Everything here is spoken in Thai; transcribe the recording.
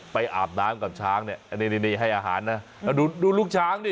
ไปอาบน้ำกับช้างเนี่ยนี่ให้อาหารนะดูลูกช้างดิ